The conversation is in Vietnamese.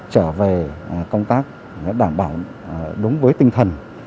trở về công tác đảm bảo đúng với tinh thần